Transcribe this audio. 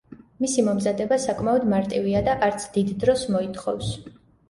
მისი მომზადება საკმაოდ მარტივია და არც დიდ დროს მოითხოვს.